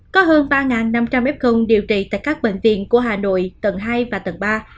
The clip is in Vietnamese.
có hơn ba năm trăm linh f điều trị tại các bệnh viện của hà nội tầng hai và tầng ba